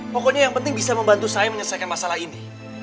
pokoknya yang penting bisa membantu saya menyelesaikan masalah ini